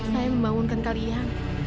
saya membangunkan kalian